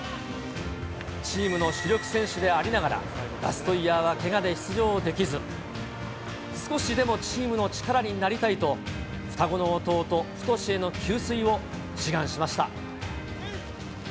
チームの主力選手でありながら、ラストイヤーはけがで出場できず、少しでもチームの力になりたいと、双子の弟、太への給水を志願しました。